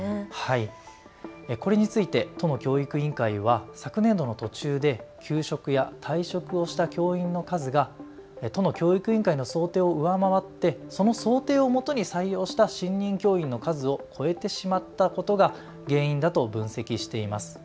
これについて都の教育委員会は昨年度の途中で休職や退職をした教員の数が都の教育委員会の想定を上回ってその想定をもとに採用した新任教員の数を超えてしまったことが原因だと分析しています。